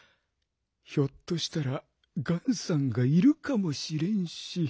ひょっとしたらガンさんがいるかもしれんし。